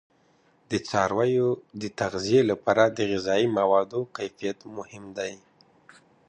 د څارویو د تغذیه لپاره د غذایي موادو کیفیت مهم دی.